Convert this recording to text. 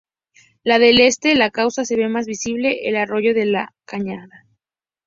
La del este, la causa se ve más visible: el arroyo La Cañada.